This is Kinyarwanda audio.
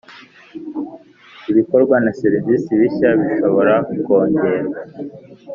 Ibikorwa na serivisi bishya bishobora kongerwa